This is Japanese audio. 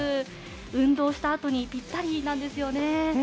運動したあとにぴったりなんですよね。